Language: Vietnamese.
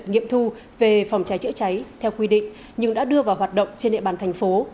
nghiệm thu về phòng cháy chữa cháy theo quy định nhưng đã đưa vào hoạt động trên địa bàn thành phố